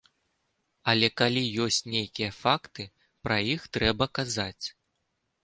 Але калі ёсць нейкія факты, пра іх трэба казаць.